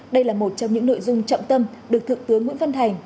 đây là một trong những nội dung trọng tâm được thượng tướng nguyễn văn thành